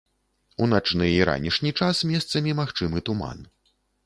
У начны і ранішні час месцамі магчымы туман.